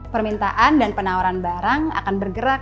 permintaan dan penawaran barang akan bergerak